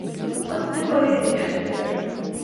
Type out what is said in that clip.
От ты паглядзіш цяпер.